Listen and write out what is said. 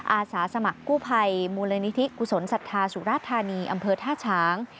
อาสาสมัครกู้ภัยมูลนิธิกุศลศรัทธาสุราธานีอำเภอท่าช้าง